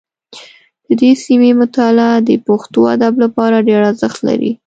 د دې سیمې مطالعه د پښتو ادب لپاره ډېر ارزښت لري